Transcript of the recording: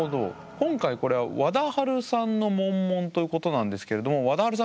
今回これはわだはるさんのモンモンということなんですけれどもわだはるさん